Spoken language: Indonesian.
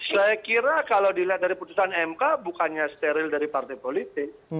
saya kira kalau dilihat dari putusan mk bukannya steril dari partai politik